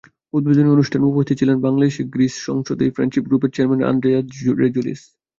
উদ্বোধনী অনুষ্ঠানে উপস্থিত ছিলেন বাংলাদেশ গ্রিস সংসদীয় ফ্রেন্ডশিপ গ্রুপের চেয়ারম্যান আন্দ্রেয়াস রেজুলিস।